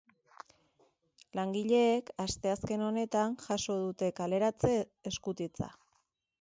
Langileek asteazken honetan jaso dute kaleratze eskutitza.